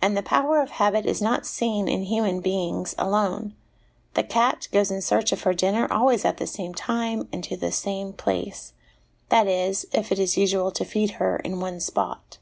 And the power of habit is not seen in human beings alone. The cat goes in search of her dinner always at the same time and to the same place that is, if it is usual to feed her in one spot.